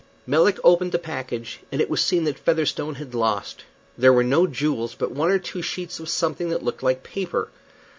Melick opened the package, and it was seen that Featherstone had lost. There were no jewels, but one or two sheets of something that looked like paper.